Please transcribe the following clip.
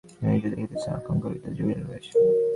এই-যে দেখিতেছি আকাঙক্ষা হৃদয় জুড়িয়া রহিয়াছে।